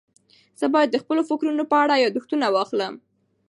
زه باید د خپلو فکرونو په اړه یاداښتونه واخلم.